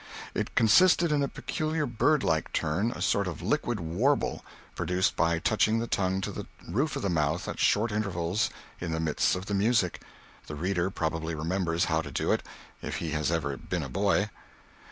It consisted in a peculiar bird like turn, a sort of liquid warble, produced by touching the tongue to the roof of the mouth at short intervals in the midst of the music—the reader probably remembers how to do it, if he has ever been a boy.